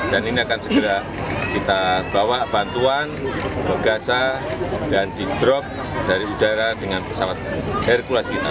dan ini akan segera kita bawa bantuan ke gaza dan di drop dari udara dengan pesawat hercules kita